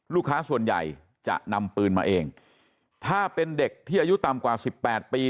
ลูกค้าส่วนใหญ่จะนำปืนมาเองถ้าเป็นเด็กที่อายุต่ำกว่าสิบแปดปี